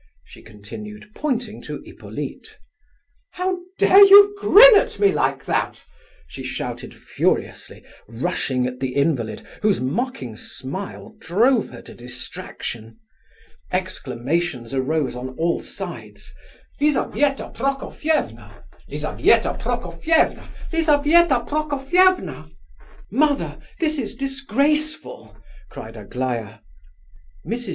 she continued, pointing to Hippolyte. "How dare you grin at me like that?" she shouted furiously, rushing at the invalid, whose mocking smile drove her to distraction. Exclamations arose on all sides. "Lizabetha Prokofievna! Lizabetha Prokofievna! Lizabetha Prokofievna!" "Mother, this is disgraceful!" cried Aglaya. Mrs.